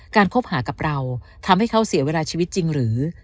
คบหากับเราทำให้เขาเสียเวลาชีวิตจริงหรือ